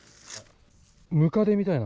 ムカデみたいな。